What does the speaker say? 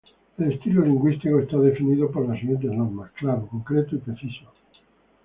El estilo lingüístico está definido por las siguientes normas: claro, concreto, preciso.